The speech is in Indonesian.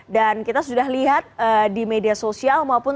dan kita sudah lihat di media sosial